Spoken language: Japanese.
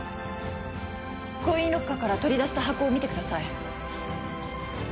コインロッカーから取り出した箱を見てください。